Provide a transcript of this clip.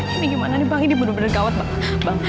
ini gimana nih bang ini bener bener gawat bang